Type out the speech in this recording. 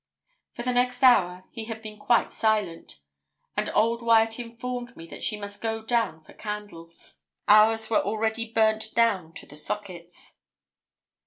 For the next hour he had been quite silent, and old Wyat informed me that she must go down for candles. Ours were already burnt down to the sockets.